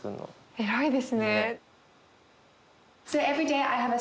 偉いですね。